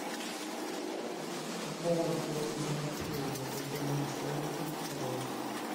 A boy plays in a pool with an inflatable toy.